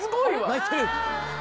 泣いてる！